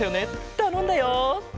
たのんだよ。